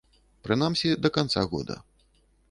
Прынамсі, да канца года.